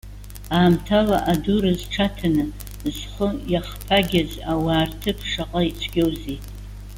Аамҭала адура зҽаҭаны, зхы иахԥагьаз ауаа рҭыԥ шаҟа ицәгьоузеи!